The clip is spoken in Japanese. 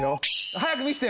早く見せて！